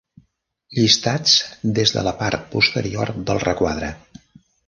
Llistats des de la part posterior del requadre.